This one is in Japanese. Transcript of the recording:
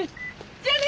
じゃあね！